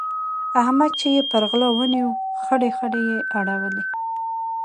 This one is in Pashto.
احمد چې يې پر غلا ونيو؛ خړې خړې يې اړولې.